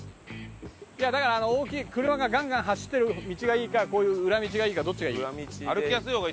だからあの大きい車がガンガン走ってる道がいいかこういう裏道がいいかどっちがいい？